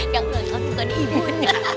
yang kelihatan suka di ibunya